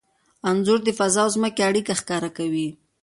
انځور د فضا او ځمکې اړیکه ښکاره کوي.